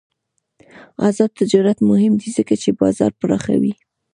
آزاد تجارت مهم دی ځکه چې بازار پراخوي.